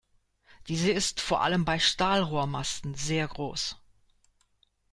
Diese ist vor allem bei Stahlrohrmasten sehr groß.